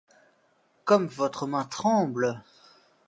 Comme votre main tremble !